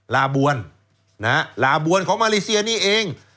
ลาบวนลาบวนของมาเลเซียนี่เอง